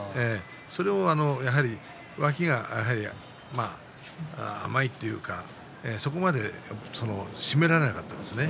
そこはやはり脇が甘いというかそこまで締められなかったですね。